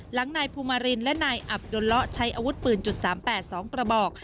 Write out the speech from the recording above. หลังนายภูมิมารินและนายอับยนต์เลาะใช้อาวุธปืนจุดสามแปดสองกระบอก